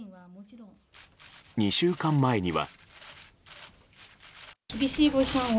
２週間前には。